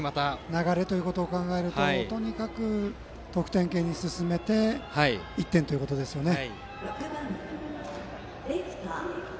流れということを考えるととにかく得点圏に進めて１点ということですよね。